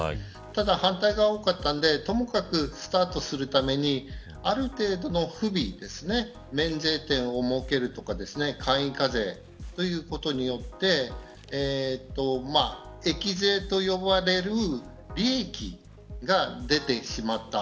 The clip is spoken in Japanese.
ただ、反対が多かったのでともかくスタートするためにある程度の不備ですね免税店を設けるとか簡易課税ということによって益税と呼ばれる利益が出てしまった。